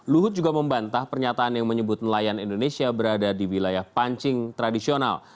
luhut juga membantah pernyataan yang menyebut nelayan indonesia berada di wilayah pancing tradisional